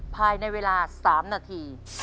ภายในเวลา๓นาที